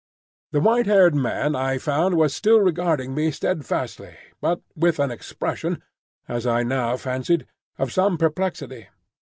The white haired man I found was still regarding me steadfastly, but with an expression, as I now fancied, of some perplexity.